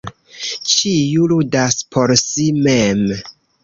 Ĉiu ludas por si mem.